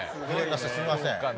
すみません。